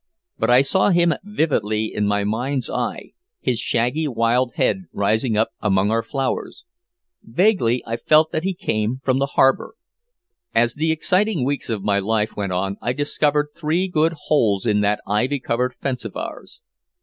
But I saw him vividly in my mind's eye his shaggy wild head rising up among our flowers. Vaguely I felt that he came from the harbor. As the exciting weeks of my life went on I discovered three good holes in that ivy covered fence of ours.